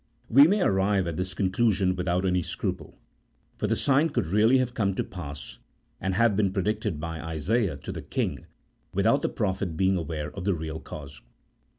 We may arrive at this conclusion without any scruple, for the sign could really have come to pass, and have been predicted by Isaiah to the king, without the prophet being aware of the real cause.